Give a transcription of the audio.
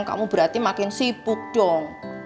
kamu berarti makin sibuk dong